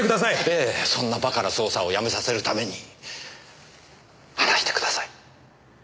ええそんなバカな捜査をやめさせるために話してください。